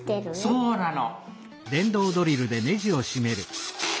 そうなの！